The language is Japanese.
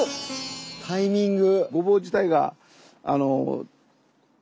タイミング。